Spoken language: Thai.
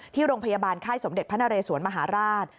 ที่โรงพยาบาลค่ายสมเด็จพระนเรสวนมหาราช